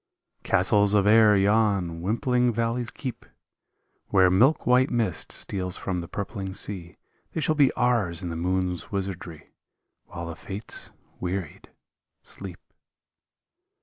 Castles of air yon wimpling valleys keep Where milk white mist steals from the purpling sea, They shall be ours in the moon's wizardry, While the fates, wearied, sleep.